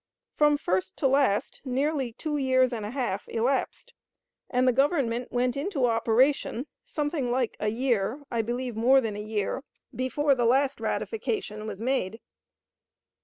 From first to last, nearly two years and a half elapsed; and the Government went into operation something like a year I believe more than a year before the last ratification was made.